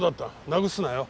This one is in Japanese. なくすなよ。